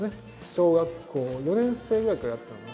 小学校４年生ぐらいからやってたのかな。